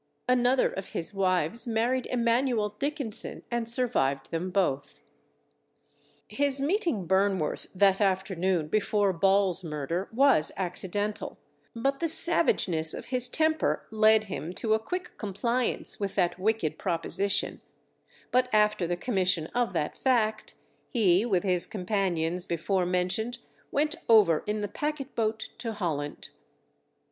Another of his wives married Emanuel Dickenson and survived them both. His meeting Burnworth that afternoon before Ball's murder was accidental, but the savageness of his temper led him to a quick compliance with that wicked proposition; but after the commission of that fact, he with his companions before mentioned went over in the packet boat to Holland.